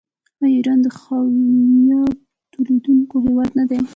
آیا ایران د خاویار تولیدونکی هیواد نه دی؟